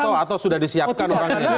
itu natural atau sudah disiapkan orangnya